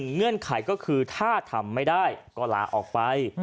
เงื่อนไขก็คือถ้าทำไม่ได้ก็ลาออกไป